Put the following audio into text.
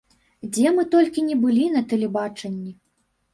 Дзе мы толькі ні былі на тэлебачанні!